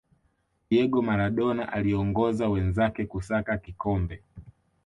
diego maradona aliongoza wenzake kusaka kikombe